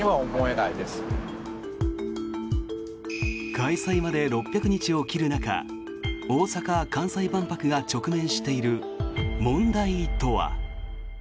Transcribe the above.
開催まで６００日を切る中大阪・関西万博が直面している問題とは。